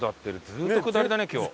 ずっと下りだね今日。